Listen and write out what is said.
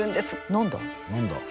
何だ？